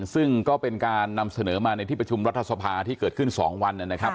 ซึ่งก็เป็นการนำเสนอมาในที่ประชุมรัฐสภาที่เกิดขึ้น๒วันนะครับ